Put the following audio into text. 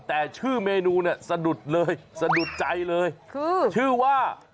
แต่ชื่อเมนูเนี่ยสะดุดเลยสะดุดใจเลยคือชื่อว่า